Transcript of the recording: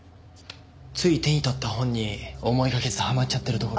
つい手に取った本に思いがけずはまっちゃってるところ。